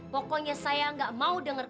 pokoknya saya nggak mau dengar